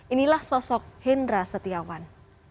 inilah sosok hendra setiawan